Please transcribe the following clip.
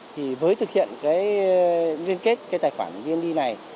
thì với thực hiện cái liên kết cái tài khoản vned này